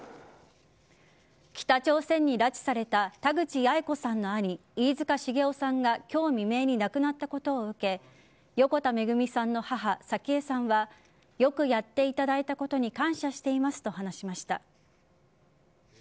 北朝鮮に拉致された田口八重子さんの兄飯塚繁雄さんが今日未明に亡くなったことを受け横田めぐみさんの母早紀江さんはよくやっていただいたことに感謝していますと話しました。